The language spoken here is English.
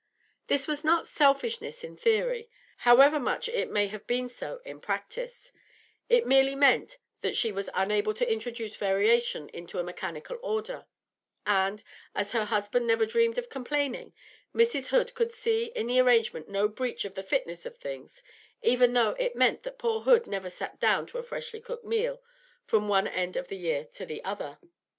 This was not selfishness in theory, however much it may have been so in practice; it merely meant that she was unable to introduce variation into a mechanical order; and, as her husband never dreamed of complaining, Mrs. Hood could see in the arrangement no breach of the fitness of things, even though it meant that poor Hood never sat down to a freshly cooked meal from one end of the year to the other.